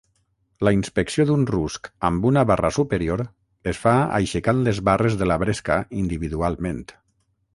La inspecció d'un rusc amb una barra superior es fa aixecant les barres de la bresca individualment.